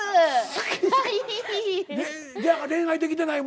隙しか恋愛できてないもんな。